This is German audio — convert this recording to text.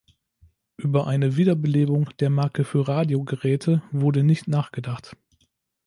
Über eine Wiederbelebung der Marke für Radiogeräte wurde nicht nachgedacht.